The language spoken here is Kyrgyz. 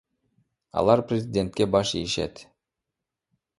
Алар президентке баш ийишет.